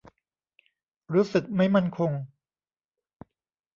รู้สึกไม่มั่นคง